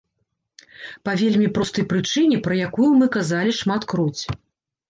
Па вельмі простай прычыне, пра якую мы казалі шматкроць.